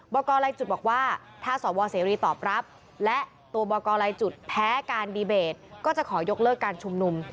กรลายจุดบอกว่าถ้าสวเสรีตอบรับและตัวบอกกรลายจุดแพ้การดีเบตก็จะขอยกเลิกการชุมนุม